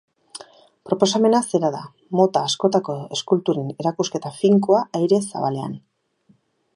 Proposamena zera da: mota askotako eskulturen erakusketa finkoa aire zabalean.